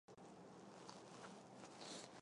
铃木顶苞藓为锦藓科顶苞藓属下的一个种。